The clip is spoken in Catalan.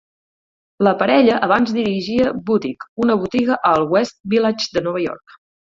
La parella abans dirigia Butik, una botiga al West Village de Nova York.